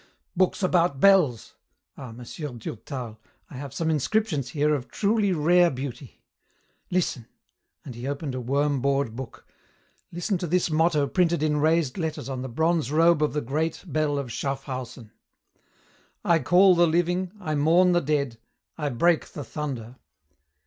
"Books about bells! Ah, Monsieur Durtal, I have some inscriptions here of truly rare beauty. Listen," and he opened a worm bored book, "listen to this motto printed in raised letters on the bronze robe of the great bell of Schaffhausen, 'I call the living, I mourn the dead, I break the thunder.'